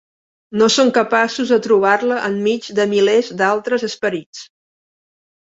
No són capaços de trobar-la enmig de milers d'altres esperits.